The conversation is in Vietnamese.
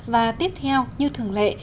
và tiếp theo như thường lệ